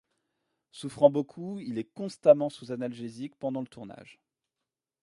Souffrant beaucoup, il est constamment sous analgésiques pendant le tournage.